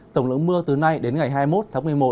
tổng lượng mưa từ nay đến ngày hai mươi một tháng một mươi một